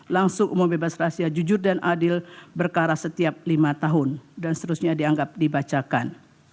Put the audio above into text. langsung umum bebas rahasia jujur dan adil berkara setiap lima tahun dan seterusnya dianggap dibacakan